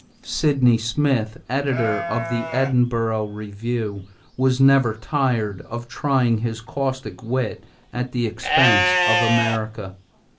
Sydney Smith, editor of the Edinburgh Review, was never tired of trying his caustic wit at the expense of America.